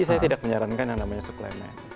saya tidak menyarankan yang namanya suplemen